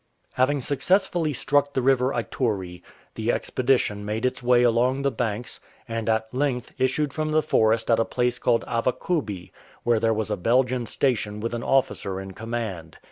Having successfully struck the river Ituri, the expedi tion made its way along the banks, and at length issued from the forest at a place called Avakubi, where there was a Belgian station with an officer in command.